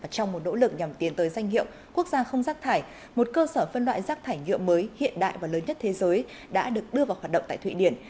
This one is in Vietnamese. trong một nỗ lực nhằm tiến tới danh hiệu quốc gia không rác thải một cơ sở phân loại rác thải nhựa mới hiện đại và lớn nhất thế giới đã được đưa vào hoạt động tại thụy điển